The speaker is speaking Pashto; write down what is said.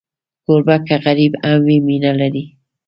کوربه که غریب هم وي، مینه لري.